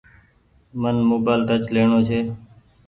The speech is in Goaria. من موبآئيل ٽچ ليڻو ڇي۔